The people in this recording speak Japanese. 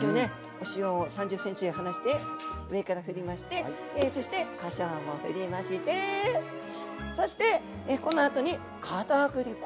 お塩を３０ｃｍ離して上からふりましてそしてこしょうもふりましてそしてこのあとにかたくり粉。